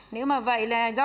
nếu mà vậy là do